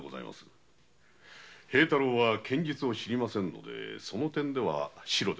平太郎は剣術を知りませんのでその点ではシロでございますが。